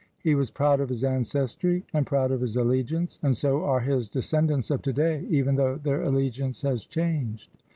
He was proud of his ancestry, and proud of his all^iance; and so are his descendants of today even though their all^iance has changed.